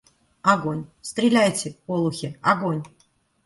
Огонь! Стреляйте, олухи, огонь!